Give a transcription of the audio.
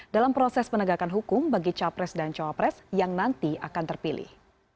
dalam proses penegakan hukum bagi capres dan cawapres yang nanti akan terpilih